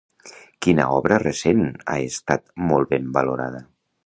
Quina obra recent ha estat molt ben valorada?